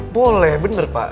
boleh bener pak